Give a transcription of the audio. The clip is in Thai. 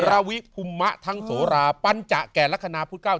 มรรณว่าราวิภุมมะทั้งโสราปัญจะแก่รัฐคณาพุทธเก้า